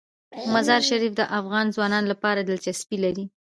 مزارشریف د افغان ځوانانو لپاره دلچسپي لري.